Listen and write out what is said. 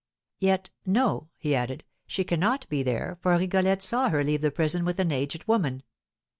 Yet, no," he added, "she cannot be there, for Rigolette saw her leave the prison with an aged woman.